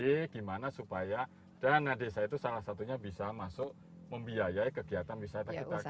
bagaimana supaya dana desa itu salah satunya bisa masuk membiayai kegiatan wisata kita